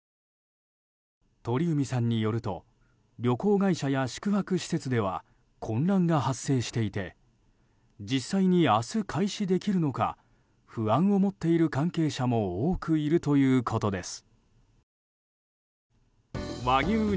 鳥海さんによると旅行会社や宿泊施設では混乱が発生していて実際に明日開始できるのか不安を持っている関係者も多くいるということです。